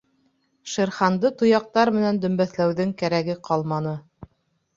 Шер Ханды тояҡтар менән дөмбәҫләүҙең, кәрәге ҡалманы.